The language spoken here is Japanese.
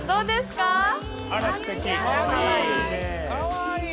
かわいい！